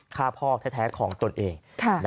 ฆ่าพ่อแท้ของตนเอง